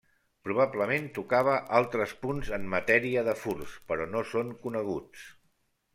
Probablement tocava altres punts en matèria de furts però no són coneguts.